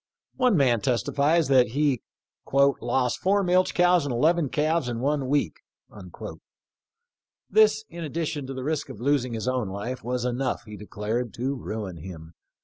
, One man testifies that he " lost four milch cows and eleven calves in one week." This, in addition to the risk of losing his own life, was enough, he declared, to ruin him.